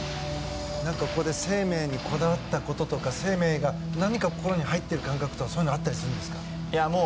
これ、「ＳＥＩＭＥＩ」にこだわったこととか「ＳＥＩＭＥＩ」が心に入っている感覚とかそういうのはあったりするんですか？